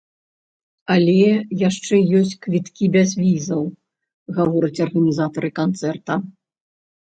Але яшчэ ёсць квіткі без візаў, гавораць арганізатары канцэрта.